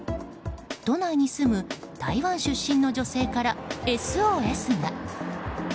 都内に住む台湾出身の女性からＳＯＳが。